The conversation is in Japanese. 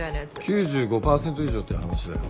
９５％以上って話だよ。